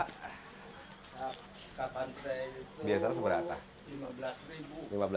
ke pantai itu rp lima belas